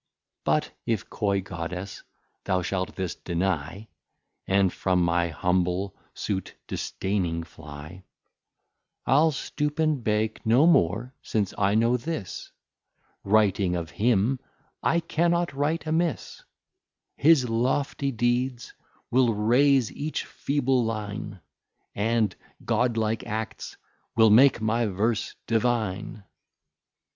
But if Coy Goddess thou shalt this deny, And from my humble suit disdaining fly, I'll stoop and beg no more, since I know this, Writing of him, I cannot write amiss: His lofty Deeds will raise each feeble line, And God like Acts will make my Verse Divine.